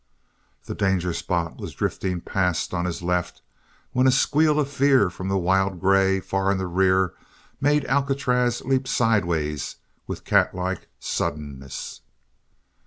The danger spot was drifting past on his left when a squeal of fear from the wild grey far in the rear made Alcatraz leap sidewise with catlike suddenness.